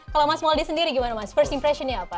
kalau mas mouldie sendiri gimana mas first impressionnya apa